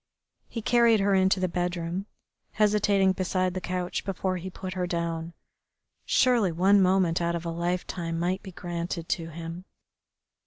He carried her into the bedroom, hesitating beside the couch before he put her down. Surely one moment out of a lifetime might be granted to him.